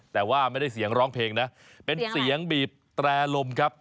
แต่ว่าไม่ได้เสียงร้องเพลงนะเป็นเสียงบีบแตรลมครับ